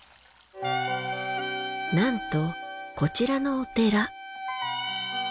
なんとこちらのお寺。